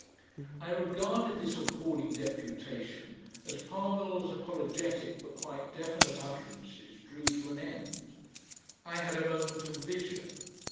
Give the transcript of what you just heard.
I regarded this appalling deputation as Parvill's apologetic but quite definite utterances drew to an end. I had a moment of vision.